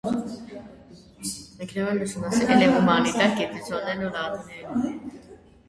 Ինքնուրույն ուսումնասիրել է հումանիտար գիտություններն ու լատիներենը։